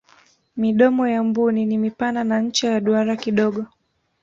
midomo ya mbuni ni mipana na ncha ya duara kidogo